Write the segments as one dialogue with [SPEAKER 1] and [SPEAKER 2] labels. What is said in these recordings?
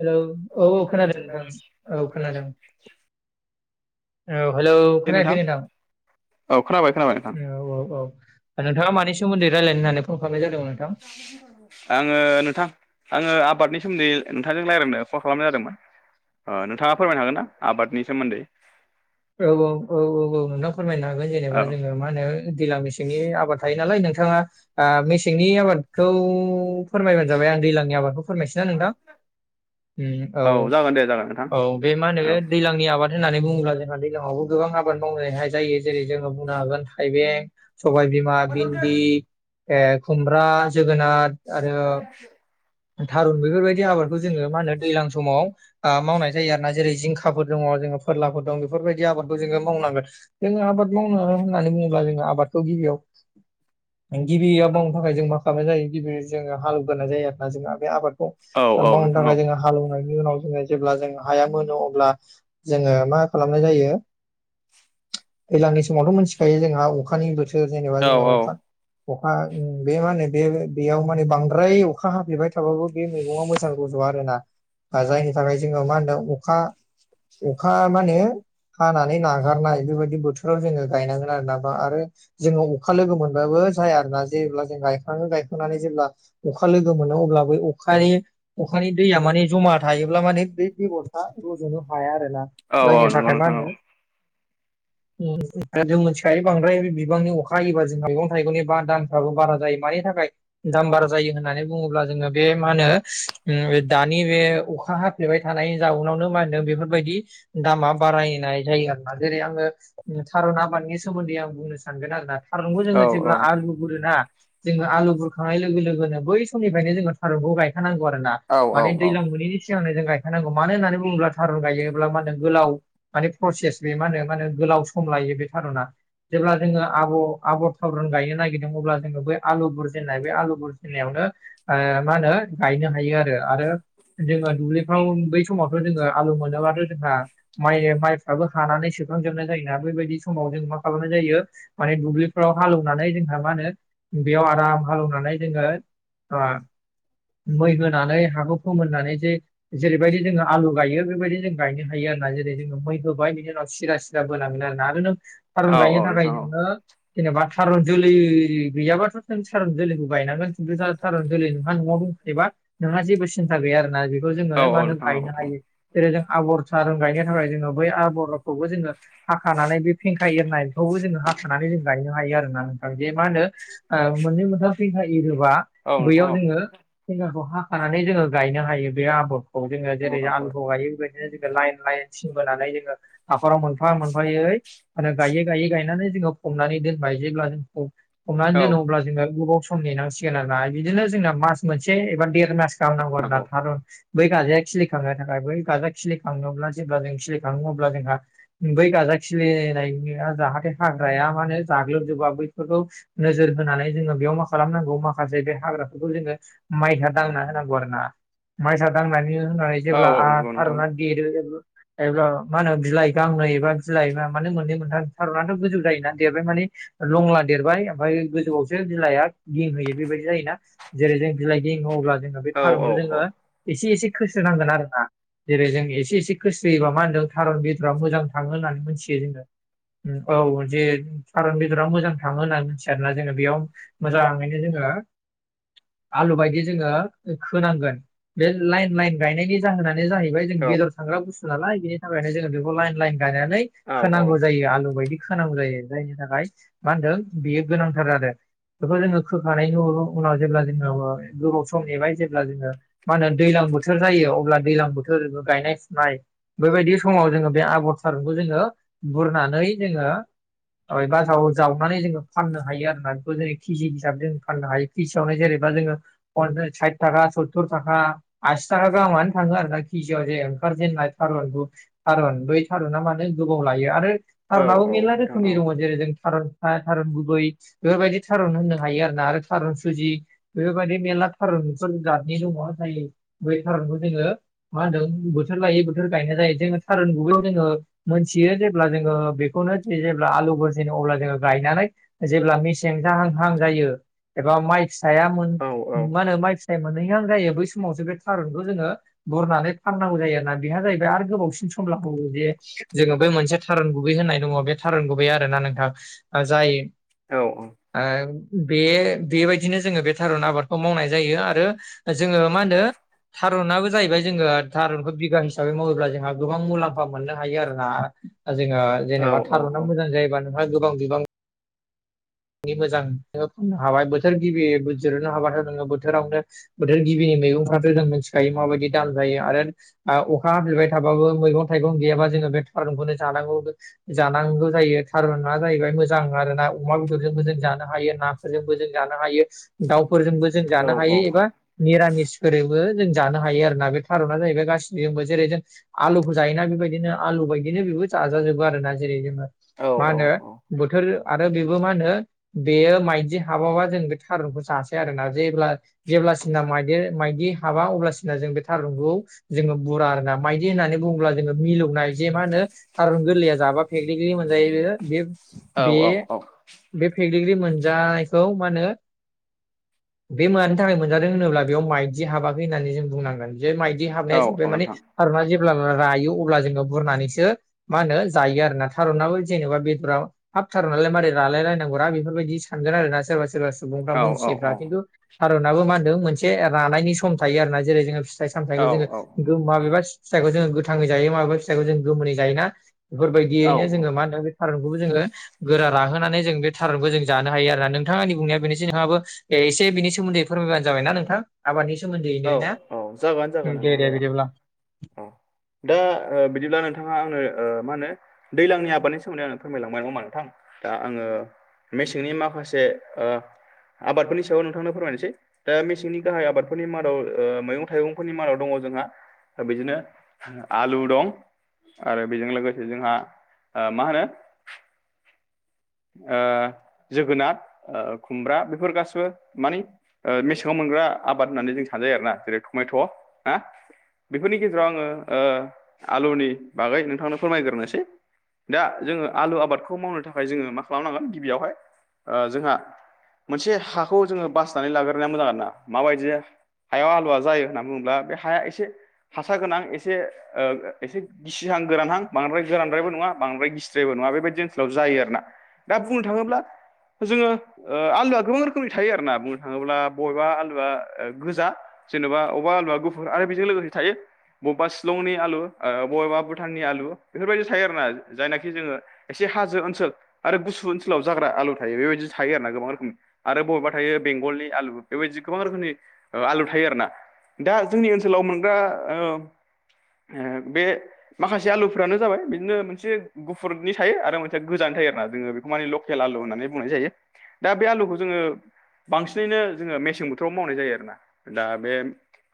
[SPEAKER 1] Hello औ औ खोनादों नोंथां औ खोनादों। औ हेलौ खोनायाखै नोंथां
[SPEAKER 2] औ खोनाबाय खोनाबाय नोंथां
[SPEAKER 1] औ औ औ नोंथाङा मानि सोमोन्दै रायलायनो होननानै फन खालामनाय जादोंमोन नोंथां?
[SPEAKER 2] आङो नोंथां आङो आबादनि सोमोन्दै नोंथांजों रायज्लायनो फन खालामनाय जादोंमोन। अ नोंथाङा फोरमायनो हागोन ना आबादनि सोमोन्दै।
[SPEAKER 1] औ औ औ औ औ नोंथां फोरमायनो हागोन जेनेबा
[SPEAKER 2] औ
[SPEAKER 1] जोङो मा होनो दैलां मेसेंनि आबाद थायो नालाय नोंथाङा मेसेंनि आबादखौ फोरमायबानो जाबाय आं दैजांनि आबादखौ फोरमायसै ना नोंथां औ
[SPEAKER 2] जागोन दे जागोन नोंथां
[SPEAKER 1] औ बे मा होनो
[SPEAKER 2] औ
[SPEAKER 1] दैज्लांनि आबाद होन्नानै बुङोब्ला जोंहा दैलां आवबो गोबां आबाद मावनायहाय जायो जेरै जोङो बुंनो हागोन थाइबें सबायबिमा भिन्दि ओ खुमब्रा जोगोनार आरो
[SPEAKER 2] [unintelligible]
[SPEAKER 1] थारुन बेफोरबायदि आबादखौ जोङो मा होनो दैज्लां समाव ओ मावनाय जायो आरो ना। जेरै जिंखाफोर दङ जोङो फोरलाफोर दं बेफोरबायदि आबादखौ जोङो मावनांगोन। जोङो आबाद मावनो होननानै बुङोब्ला जोङो आबादखौ गिबियाव गिबियाव माव थाखाय जों मा खालामनाय जायो गिबि जो हालवग्रनाय जायो आरोोना जोंहा बे आबादखौ।
[SPEAKER 2] औ औ
[SPEAKER 1] मावनो
[SPEAKER 2] नोंथां औ
[SPEAKER 1] थाखाय जोंङो हालौवनाय उनाव जोङो जेब्ला जों हाया मोनो अब्ला जोङो मा खालामनाय जायो? दैज्लांनि समावथ' मोनथिखायो जोंहा अखानि बोथोर। सोर जेनेबा
[SPEAKER 2] औ
[SPEAKER 1] जोङो
[SPEAKER 2] औ
[SPEAKER 1] अखा अखा बे मा होनो बे बेयाव माने बांद्राय अखा हाफेरबाय थाबाबो बे मैगङा मोजां रज' आरोना जायनि थाखाय जोङो मा होनदों अखा अखा मा होनो हानानै नागारनाय बेबायदि बोथोराव जोङो गायनांगोन आरो ना बा आरो जोङो अखा लोगो मोनबाबो जाया आरो ना जेब्ला जों गायखाङो गायखांनानै जेब्ला अखा लोगो मोनो अब्ला ब अखानि अखानि दैया माने जमा थायोब्ला माने बे बेगर रुजुनो हाया आरोना
[SPEAKER 2] औ औ
[SPEAKER 1] जायनि
[SPEAKER 2] नंगौ
[SPEAKER 1] थाखाय मा
[SPEAKER 2] नोंथां औ
[SPEAKER 1] होनो म जों मिथिखायो बांद्राय बिबांनि अखा हायोबा जों मैगं थाइगंनि बा दान बारा जायो मानि थाखाय दाम बारा जायो होन होननानै बुङोब्ला जोङो बे मा होनो दानि बे अखा हाफ्लेबाय थानायनि जाउनावनो मा होन बे बेफोरबायदि दामा बारायनाय जायो आरोना जेरै आङो थारुन आबादनि सोमोन्दै आं बुंनो सानगोन आरोना थारनखौ
[SPEAKER 2] औ
[SPEAKER 1] जोङो जेब्ला
[SPEAKER 2] औ
[SPEAKER 1] आलु गुरोना जोङो आलु बुरखांनाय लोगो लोगोनो बै समनिफ्रायनो जोङो थारुनखौ गायखानांगौ आरो ना
[SPEAKER 2] औ औ
[SPEAKER 1] माने दैज्लां मोनैनि सिगां जों गायखानांगौ मानो होननानै बुङोब्ला थारुन गायोब्ला मा होनो गोलाव माने प्रसेस बे मा होनो मा होनो गोलाव सम लायो बे थारुना जेब्ला जोङो आब' आबर थावरन गायनो नागिरदों अब्ला जोङो बै आलु बुरजेननाय बे आलु बुर होनायावनो मा होनो गायनो हायो आरो आरो जोङो दुब्लिफ्राव बै समावथ' जोङो आलु मोनोबाथ' जोंहा माइ माइफ्राबो हानानै सोखांजोबनाय जायोना बेबायदि समाव जों मा खालामनाय जायो माने दुब्लिफोराव हाल एवनानै जोंहा मा होनो बेयाव आराम हालौवनानै जोङो आ मै होनानै हाखौ फोमोननानै जे जेरैबायदि जोङो आलु गायो बेबायदि जों गायनो हायो आरोना जेरै जोङो मैख होबाय बिनि उनाव सिदा सिदा बोनांगोन आरोना आरो नों थारुन गायनो
[SPEAKER 2] औ
[SPEAKER 1] थाखाय
[SPEAKER 2] नोंथां
[SPEAKER 1] नोङो
[SPEAKER 2] औ
[SPEAKER 1] जेनेबा थारुन जोलै गैयाबाथ' नों थारुन जोलैखौ गायनांगोन [unintelligible] जाथार जोलै नोंहा न'आव दंखायोबा नोंहा जेबो सिन्था गैया आरोना बेखौ जोङो
[SPEAKER 2] औ नोंथां औ
[SPEAKER 1] मा
[SPEAKER 2] औ
[SPEAKER 1] होनो
[SPEAKER 2] नोंथां औ
[SPEAKER 1] गायनो हायो जेरै जों आबर थारुन गायनो थाखाय जोङो बै आबरखौबो जोङो हाखानानै बे फेंखाय एरनाय बेखौबो जोङो हाखानानै जों गायनो हायो आरो ना जे मा होनो मोननै मोनथाम फैखायै होबा
[SPEAKER 2] नोंथां
[SPEAKER 1] बैयाव
[SPEAKER 2] औ
[SPEAKER 1] जोङो जगारखौ हाखानानै जोङो गायनो हायो बे आबादखौ जोङो जेरै आलुखौ गायो बेबायदि दिनो जोङो लाइन लाइन थिं बोनानै जोङो हाखराव मोनफा मोनफायै आरो गायै गायै गायनानै जोङो फबनानै दोनबाय जेब्ला जों फब हमनानै
[SPEAKER 2] औ
[SPEAKER 1] दोनांग अब्ला जोङो गोबाव सम नेनांसिगोन आरोना बिदिनो जोंना मास मोनसे एबा देर मास दांनांगौ आरोना थारुन बै गाजाया खिलिखांनो थाखाय बै गाजा खिलिखांनोब्ला जेब्ला जों खिलिखाङो अब्ला जोंहा बै गाजा खिलिनाया जाहाथे हाग्राया मा होनो जाग्लोबजोबा बैफोरखौ नोजोर होनानै जोङो बेयाव मा खालामनांगौ मा माखासे बे हाग्राफोरखौ जोङो माइसा दांना होनांगौ आरोना मायसा दांनानै होनानै जेब्ला
[SPEAKER 2] औ
[SPEAKER 1] आ
[SPEAKER 2] नंगौ नोंथां
[SPEAKER 1] थारुना देरो जब्ला जब्ला मा होनो बिलाइ गांनै एबा बिलाया माने मोननै मोनथाम थारुनाथ' गोजौ जायोना देरबाय माने लंला देरबाय ओमफाय गोजौआवसो बिलाया गेंहैयो बेबायदि जायोना जेरै जों बिलाइ गेङो अब्ला जोङो बे
[SPEAKER 2] औ औ
[SPEAKER 1] थारुनखौ जोङो एसे एसे खोस्रोनांगोन आरोना जेरै जों एसे एसे गोस्रोयोबा मा होनदों थारुन बेदरा मोजां थाङो होन्नानै मिथियो जोङो औ जे थारुन बेदरा मोजां थाङो होननानै मिथिया आरोना जोङो बेयाव मोजाङैनो जोङो आलु बायदि जोङो खोनांगोन बे लाइन लाइन गायनायनि जाहोनानो जाहैबाय जों बेदर सांग्रा बुस्थु नालाय बेनि थाखायनो जोङो बेखौ लाइन लाइन गायनानै
[SPEAKER 2] औ औ
[SPEAKER 1] खोनांगौ जायो आलु बायदि खोनांगौ जायो जायनि थाखाय मा होनदों बेयो गोनांथार जादों बेखौ जोङो खोखा उनाव जेब्ला जोङो गोबाव सम नेबाय जेब्ला जोङो मा होनो दैज्लां बोथोर जायो अब्ला दैज्लां बोथोर गायनाय फुनाय बेबायदि समाव जोङो बे आबर थारुनखौ जोङो बुरनानै जोङो बासाव जावनानै जोङो फाननो हायो आरोना बेखौ जोङो केजि हिसाबै जों फाननो हायो फिसावनो जेनेबा जोङो साइथ थाखा सत्थुर थाखा आसि थाखा गाहामानो थाङो आरोना केजियाव जे ओंखारजेननाय थारुनखौ थारुन बै थारुना मानो गोबाव लायो आरो
[SPEAKER 2] औ
[SPEAKER 1] थारुनाबो मेरला
[SPEAKER 2] नोंथां
[SPEAKER 1] रोखोमनि
[SPEAKER 2] औ
[SPEAKER 1] दङ जेरै जों थारुन था थारुन गुबै बेफोरबायदि थारुन होनो हायो आरोना आरो थारुन सुजि बेफोरबायदि मेरला थारुनफोर जादनि दङ जाय बै थारुनखौ जोङो मा होनदों बोथोर लायै बोथोर गायनाय जायो जोङो थारुन गुबैयाव जोङो मोनथियो जेब्ला जोङो बेखौनो जि जेब्ला आलुफोर जेन अब्ला जोङो गायनानै जेब्ला मेसें जाहां हां जायो एबा माइसाया मा
[SPEAKER 2] औ
[SPEAKER 1] होनो माइसा फिथाइ मोनहैहां जायो बै समावसो बे थारुनखौ जोङो बुरनानै फाननांगौ जायो आरोना बेहा जाहैबाय आरो गोबावसिन सम लांबावो जे जोङो बै मोनसे थारुन गुबै होननाय दङ बे थारुन गुबै आरो ना नोंथां जाय
[SPEAKER 2] औ औ
[SPEAKER 1] आ बे बेबायदिनो जोङो बे थारुन आबादखौ मावनाय जायो आरो जोङो मा होनो थारुनाबो जाहैबाय जोङो थारुनखौ बिगा हिसाबै मावोब्ला जोंहा गोबां मुलाम्फा मोननो हायो आरो ना जोङो जेनेबा थारुना
[SPEAKER 2] औ
[SPEAKER 1] मोजां जायोबा नोंहा गोबां बिबां मोजां नों [unintelligible] हाबाय बोथोर गिबि जिरनो हाबाथ' नोङो बोथोरावनो बोथोर गिबिनि मैगंफ्राथ' जों मिथिखायो माबायदि दाम जायो आरो अखा हाफैबाय थाबाबो मैगं थाइगं गैयाबा जोङो बे थारुनखौनो जानांगौ जानांगौ जायो थारुना जाहैबाय मोजां आरोना अमा बेदर बो जों जानो हायो नाफोरजोंबो जों जानो हायो दाउफोरजोंबो जों जानो
[SPEAKER 2] औ
[SPEAKER 1] हायो
[SPEAKER 2] औ औ
[SPEAKER 1] एबा निरामिसफोरैबो जों जानो हायो आरो ना बे थारूना जाहैबाय गासिनिबो जेरै जों आलुखौ जायोना बेबायदिनो आलु बायदिनो बेबो जाजाजोबो आरोना जेरै जोङो
[SPEAKER 2] औ
[SPEAKER 1] मा
[SPEAKER 2] औ
[SPEAKER 1] होनो बोथोर आरो बेबो मा होनो बेयो माइदि हाबाबा जों बे थारुनखौ जासै आरोना जेब्ला जेब्लासिना माइदेर माइदि हाबा अब्लासिना जों बे थारुनखौ जोङो बुरा आरोना मायदि होननानै बुङोब्ला जोङो मिलौनाय जे मा होनो थारून गोरलैया जाबा पेकलिकलि मोनजायो बे बे बे
[SPEAKER 2] औ औ
[SPEAKER 1] बे फेगलिग्रि मोनजानायखौ मा होनो बे मानि थाखाय मोनजादों होनोब्ला बेयाव माइदि हाबाखै होननानै जों बुंनांगोन जे माइदि
[SPEAKER 2] औ
[SPEAKER 1] हाबनाया जाबाय
[SPEAKER 2] औ
[SPEAKER 1] माने
[SPEAKER 2] नोंथां
[SPEAKER 1] थारुना जेब्ला रायो अब्ला जोङो बुरनानैसो मा होनो जायो आरो ना थारुनाबो जेनेबा बेदराव हाब थारुननालाय मारै रालाय राय नांगौना बेफोरबायदि सानगोन आरोना सोरबा सोरबा सुबुंफ्रा
[SPEAKER 2] औ औ
[SPEAKER 1] मोनथियोबा खिन्थु थारुनाबो मा होनदों मोनसे रानायनि सम थायो आरोना जेरै जोङो फिथाइ
[SPEAKER 2] औ
[SPEAKER 1] सामथाइखौ जोङो माबेबा फिथाइखौ जोङो गोथाङै जायो माबेबा फिथाइखौ जों गोमोनै जायो ना
[SPEAKER 2] औ
[SPEAKER 1] बेफोरबायदियैनो जोङो मा होनो बे थारुनखौबो जोङो गोरा राहोनानै जों बे थारुनखौ जों जानो हायो आरो ना नोंथां आंनि बुंनाया बेनोसै नोंहाबो एसे बिनि सोमोन्दै फोरमायबानो जाबाय ना नोंथां आबादनि सोमोन्दैयैनो ना
[SPEAKER 2] औ जागोन जागोन
[SPEAKER 1] दे
[SPEAKER 2] नोंथाङा
[SPEAKER 1] दे
[SPEAKER 2] जागोन
[SPEAKER 1] बिदिब्ला
[SPEAKER 2] औ दा बिदिब्ला नोंथाङा आंनो मा होनो दैज्लांनि आबादनि सोमोन्दै आङो फोरमायलांबाय नङा नोंथां दा आङो मेसेंनि माखासे आबादफोरनि सायाव नोंथांनो फोरमायनोसै दा मेसेंनि गाहाय आबादफोरनि माद मैगं थाइगंफोरनि मादाव दङ जोंहा बिदिनो आलु दं आरो बेजों लोगोसे जोंहा मा होनो जोगोनार खुमब्रा बेफोर गासिबो माने मेसेंआव मोनग्रा आबाद होननानै जों सानजायो आरोना जेरै टमेट' ना बेफोरनि गेजेराव आङो आलुनि बागै नोंथांनो फोरमायग्रोनोसै दा जोङो आलु आबादखौ मावनो थाखाय जोङो मा खालामनांगोन गिबियावहाय ओ जोंहा मोनसे हाखौ जोङो बासनानै लाग्रोनाया मोजां आर ना माबायदि हायाव आलुवा जायो होननानै बुङोब्ला बे हाया एसे हासर गोनां एसे ओ एसे गिसिहां गोरानहां बांद्राय गोरद्रायबो नङा बांद्रायिद्रायबो नङा बेबायाददि ओनसोलाव जायो आरोना दा बुंनो थाङोब्ला जोङो आलुआ गोबां रोखोमनि थायो आरो ना बुंनो थाङोब्ला बबेबा आलुआ गोजा जेनेाबाबा गुफुर आरो बेजों लोगोसे थायो बबेबा शिलंनि आलु ओ बबेबा भुटाननि आलु बेफोरबायदि थायो आरोना जायनाखि जोङो एसे हाजो ओनसोल आरो गुसु ओनसोलाव जाग्रा आलु थायो बेबायदि थायो आर ना गोबां रोखोमनि आरो बबेबा थायो बेंगलनि आलु बेबायदि गोबां रोखोमनि आलु थायो आरो ना दा जोंनि ओनसोलाव मोनग्रा बे माखासे आलुफोरानो जाबाय बिदिनो मोनसे गुफुरनि थायो आरो मोनसे गोजानै थायो आरो ना जोङो बेखौ माने लकेल आलु होननानै बुंनाय जायो दा बे आलुखौ जोङो बांसिनैनो जोङो मेसें बोथोराव मावनाय जायो आरोना दा बे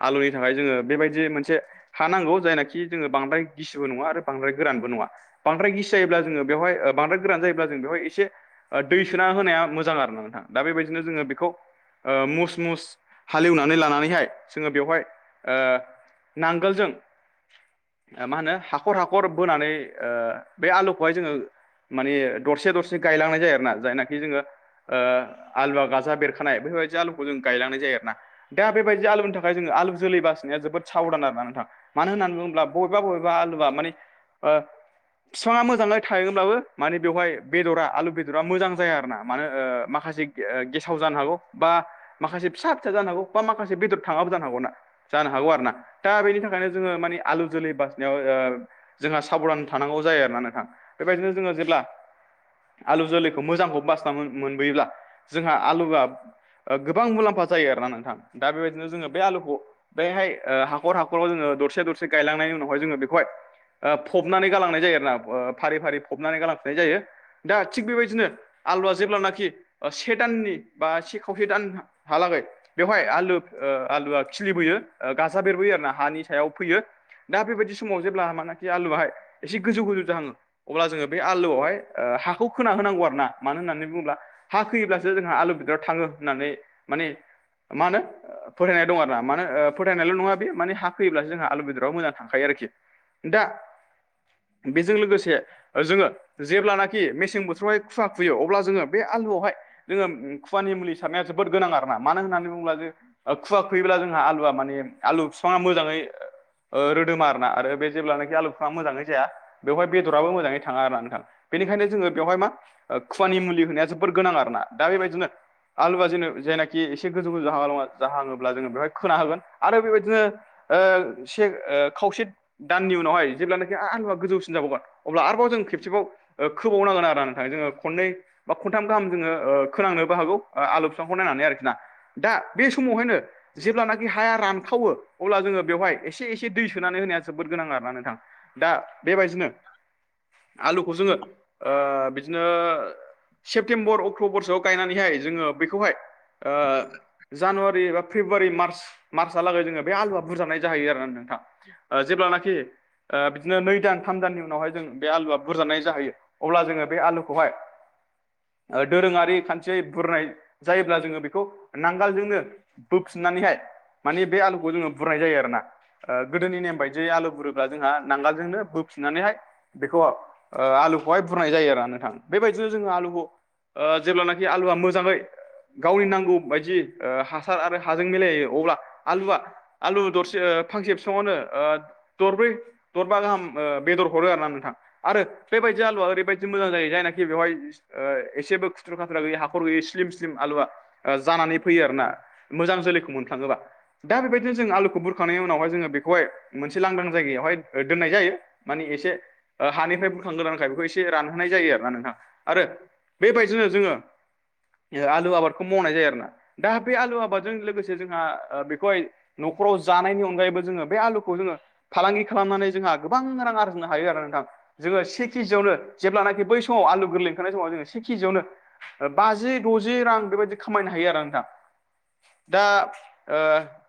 [SPEAKER 2] आलुनि थाखाय जोङो बेबायदि मोनसे हा नांगौ जायनाखि जोङो बांद्राय गिसिबो नङा आरो बांद्राय गोरानबो नङा बांद्राय गिसि जायोब्ला जोङो बेवहाय बांद्राय गोरान जायो जों बेवहाय एसे दै सोना होनाया मोजां आरो ना नोंथां दा बेबायदिनो जोङो बेखौ मुस मुस हाले एवनानै लानानैहाय जोङो बेवहाय नांगोलजों आ मा होनो हाखर हाखर बोनानै बे आलुखौहाय जोङो माने दरसे दरसे गायलांनाय जायोना जायनाखि जोङो ओ आलुवा गाजा बेरखानाय बेफोरबायदि आलुखौ जों गायलांनाय जायो आरोना दा बेबायदि आलुनि थाखाय जोङो आलु जोलै बासिनाया जोबोद साबधान आरोना नोंथां मानो होननानै बुङोब्ला बबेबा बबेबा आलुआ माने ओ बिफाङा मोजांयै थायगोनब्लाबो माने बेवहाय बेदरा आलु बेदरा मोजां जाया आरोना मानो माखासे गेसाव जानो हागौ बा माखासे फिसा फिसा जानो हागौ बा माखासे बेदर थाङाबो जानो हागौ ना जानो हागौ आरोना दा बेनि थाखायनो जोङो मानि आलु जोलै बसिनायाव जोंहा साबधान थानांगौ जायो आरोना नोंथां बेबायदिनो जोङो जेब्ला आलु जोलैखौ मोजांखौ बासिना मोनबोयोब्ला जोंहा आलुआ ओ गोबां मुलाम्फा जायो आरोना नोंथां दा बेबायदिनो जोङो बे आलुखौ बैहाय हाखर हाखराव जोङो दरसे दरसे गायलांनायनि उनावहाय जोङो बेखौहाय ओ फबनानै गालांनाय जायो आरोना फारि फारि फबनानै गालांफानाय जायो दा थिग बेबायदिनो आलुवा जेब्लानाखि से दाननि बा से खावसे दान हालागै बेवहाय आलु आलुआ खिलिबोयो गाजा बेरबोयो आरोना हानि सायाव फैयो दा बेबायदि समाव जेब्ला मानाखि आलुआहाय एसे गोजौ गोजौ जाहाङो अब्ला जोङो बे आलुआवहाय ओ हाखौ खोना होनांगौ आरोना मानो होननानै बुङोब्ला हा खोयोब्लासो जोंहा आलु बेदरा थाङो होननानै माने मा होनो फोथायनाय दं आरोना मानो ओ फोथायनायल' नङा बे माने हा होयोब्लासो जोंहा आलु बेदराव मोजां थांखायो आरोखि दा बेजों लोगोसे जोङो जेब्लाना खि मेसें बोथोरावहाय खुवा खुयो अब्ला जोङो बे आलुआवहाय जोङो खुवानि मुलि सारनाया जोबोद गोनां आरोना मानो होननानै बुङोब्ला जे खुवा खुयोब्ला जोंहा आलुआ माने आलु बिफाङा मोजाङै रोदोमा आरोना आरो बे जेब्लाखि आलु फिफाङा मोजाङै जाया बेवहाय बेदराबो मोजाङै थाङा आरोना नोंथां बेनिखायनो जोङो बेवहाय मा खुवानि मुलि होनाया जोबोर गोनां आरोना दा बेबायदिनो आलुवा जेन जायनाखि एसे गोजौ गोजौ जाह जाहाङोब्ला जोङो बेवहाय खोना हागोन आरो बेबायदिनो ओ एसे खावसे दाननि उनावहाय जेब्लानाखि आलुआ गोजौसिन जाबावगोन अब्ला आरोबाव जों खेबसेबाव खोबावनांगोन आरोना नोंथां जोङो खनै बा खनथाम गाहाम जोङो ओ खोनांनोबो हागौ आलु बिफांखौर नायनानै आरोखि ना दा बे समावहायनो जेब्लानाखि हाया रानखावो अब्ला जोङो बेवहाय एसे एसे दै सोनानै होनाया जोबोद गोनां आरोना नोंथां। दा बेबायदिनो आलुखौ जोङो ओ बिदिनो सेप्तेम्बर अक्ट'बरसोआव गायनानैहाय जोङो बेखौहाय ओ जानुवारि एबा फेब्रुवारि मार्च मार्चहालागै जोङो बे आलुआ बुजानायनाय जाहैयो आरोना नोंथां। ओ जेब्लानाखि बिदिनो नै दान थाम दाननि उनावहाय जों बे आलुआ बुरजानाय जाहैयो। अब्ला जोङो बे आलुखौहाय दोरोङारि खान्थियै बुरनाय जायोब्ला जोङो बेखौ नांगोलजोंनो बोफिननानैहाय माने बे आलुखौ जोङो बुरनाय जायो आरोना। ओ गोदोनि नेम बायदियै आलु बुरोब्ला जोंहा नांगोलजोंनो बोफिननानैहाय बेखौ ओ आलु बेहाय बुरनाय जायो आरो नोंथां बेबायदिनो जोङो आलुखौ ओ जेब्लानाखि आलुआ मोजाङै गावनि नांगौ बादि ओ हासार आरो हाजों मिलायो अब्ला आलुआ आलु दरसे फांसे बिसङावनो ओ दरब्रै दरबा गाहाम बेदर हरो आरो ना नोंथां आरो बेबायदि बे जालुआ ओरैबादि मोजां जायो जायनाखि बेहाय ओ एसेबो खु्रु खाथ्रा गैया हाखर गैयै स्लिम स्लिम आलुआ ओ जानानै फैयो आरो ना मोजां जोलैखौ मोननो थाङोबा। दा बेबायदिनो जों आलुखौ बुरखांनायनि उनावहाय जोङो बेखौहाय मोनसे लांदां जायगायावहाय दोननाय जायो। मानिे एसे हानिफ्राय बोखांगोदान थाखाय बेखौ एसे रानहोनाय जायो आरो ना नोंथाङा आरो बेबायदिनो जोङो आलु आबादखौ मावनाय जायो आरोोना दा बे आलु आबादजों लोगोसे जोंहा ओ बेखौहाय न'खराव जानायनि अनगायैबो जोङो बे आलुखौ जोङो फालांगि खालामनानै जोंहा गोबां रां आरजिनो हायो आरोना नोंथां जोङो से केजियावनो जेब्लानाखि बै समाव आलु गोरलै ओंखारनाय समाव जोङो से केजियावनो बाजि द'जि रां बेबायदि खामायनो हायो आरोना नोंथां। दा ओ